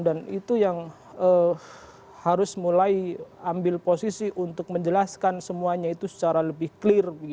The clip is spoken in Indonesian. dan itu yang harus mulai ambil posisi untuk menjelaskan semuanya itu secara lebih clear